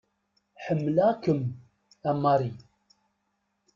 Ḥemmelɣ-kem a Marie.